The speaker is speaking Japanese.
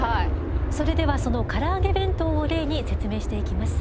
それではそのからあげ弁当を例に説明していきます。